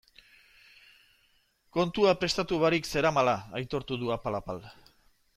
Kontua prestatu barik zeramala aitortu du apal-apal.